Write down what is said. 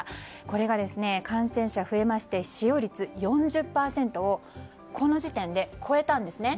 これが、感染者が増えまして使用率４０％をこの時点で超えたんですね。